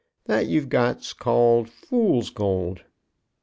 That you've got's called 'fool's gold.'"